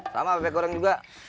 sama bebek goreng juga